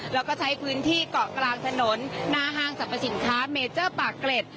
แล้วก็ใช้พื้นที่เกาะกลางถนนหน้าห้างสรรพสินค้าเมเจอร์ปากเกร็ด